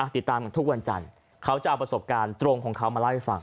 ติดตามกันทุกวันจันทร์เขาจะเอาประสบการณ์ตรงของเขามาเล่าให้ฟัง